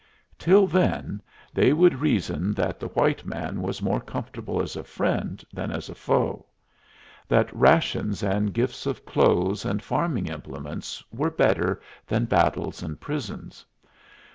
Till then they would reason that the white man was more comfortable as a friend than as a foe, that rations and gifts of clothes and farming implements were better than battles and prisons.